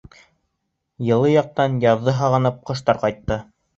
Йылы яҡтан, яҙҙы һағынып, ҡоштар ҡайтты.